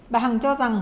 bà hằng cho rằng